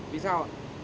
vì sao ạ